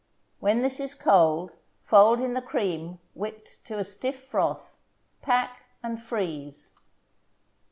When this is cold, fold in the cream whipped to a stiff froth; pack and freeze.